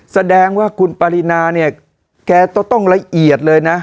แสดงว่าคุณปรินาเนี่ยแกต้องละเอียดเลยนะ